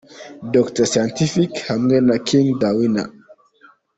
Dr Scientific hamwe na King The Winner.